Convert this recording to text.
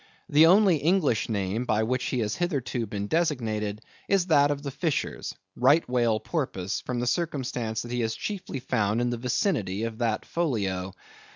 The only English name, by which he has hitherto been designated, is that of the fishers—Right Whale Porpoise, from the circumstance that he is chiefly found in the vicinity of that Folio.